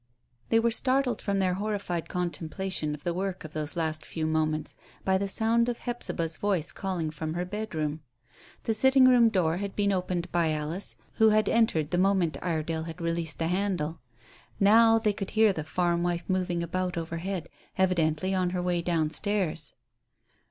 They were startled from their horrified contemplation of the work of those last few moments by the sound of Hephzibah's voice calling from her bedroom. The sitting room door had been opened by Alice, who had entered the moment Iredale had released the handle. Now they could hear the farm wife moving about overhead, evidently on her way down stairs.